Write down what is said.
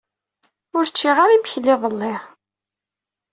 Ur ččiɣ ara imekli iḍelli.